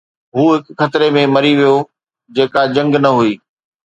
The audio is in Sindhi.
هو هڪ خطري ۾ مري ويو، جيڪا جنگ نه هئي